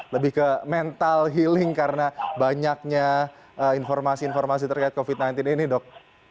lebih ke mental healing karena banyaknya informasi informasi terkait covid sembilan belas ini dok